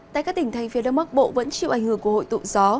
tại các tỉnh thành phía đông bắc bộ vẫn chịu ảnh hưởng của hội tụ gió